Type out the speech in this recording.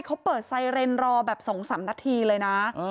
เขาเปิดไซเรนรอแบบ๒๓นาทีเลยนะ